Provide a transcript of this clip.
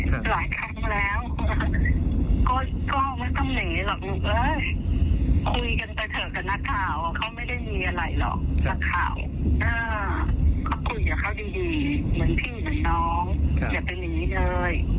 เหมือนพี่หรือน้องอย่าเป็นอย่างนี้เถิด